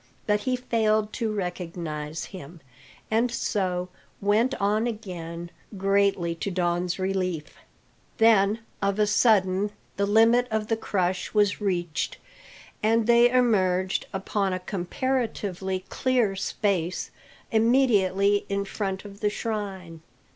But he failed to recognise him, and so went on again, greatly to Don's relief. Then of a sudden the limit of the crush was reached, and they emerged upon a comparatively clear space immediately in front of the shrine.